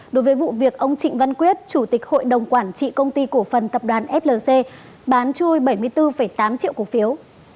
đối với vụ việc ông trịnh văn quyết chủ tịch hội đồng quản trị công ty cổ phần tập đoàn flc bán chui bảy mươi bốn tám triệu cổ phiếu